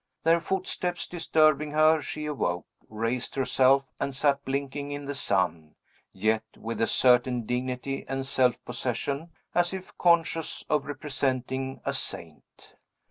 Their footsteps disturbing her, she awoke, raised herself, and sat blinking in the sun, yet with a certain dignity and self possession, as if conscious of representing a saint.